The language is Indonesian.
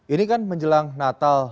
ini kan menjelang natal